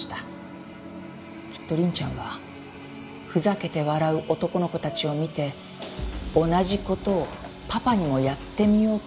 きっと凛ちゃんはふざけて笑う男の子たちを見て同じ事をパパにもやってみようと考えたんじゃないでしょうか。